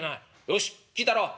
「よし聞いたろう。